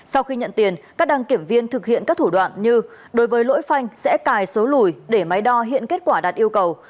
sau khi nhận tiền các đăng kiểm viên thực hiện các thủ đoạn như đối với lỗi phanh sẽ cài số lùi để máy đo hiện kết quả đạt yêu cầu